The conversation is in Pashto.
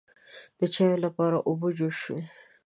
د چایو لپاره اوبه جوش شوې.